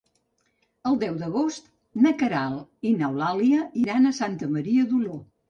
El deu d'agost na Queralt i n'Eulàlia iran a Santa Maria d'Oló.